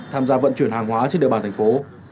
tham gia vận chuyển hàng hóa trên địa bàn thành phố